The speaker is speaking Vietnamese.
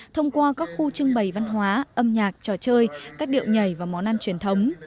thông qua các khu trưng bày văn hóa âm nhạc trò chơi các điệu nhảy và món ăn truyền thống